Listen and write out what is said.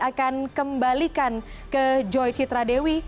akan kembalikan ke joy citradewi